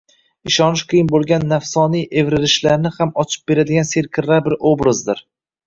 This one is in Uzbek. ishonish qiyin bo’lgan nafsoniy evrlishlarni ham ochib beradigan serqirra bir obrazdir.